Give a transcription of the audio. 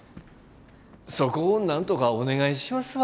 そこをなんとかお願いしますわ。